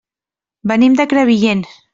Venim de Crevillent.